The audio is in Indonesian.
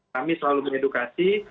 kami selalu mengedukasi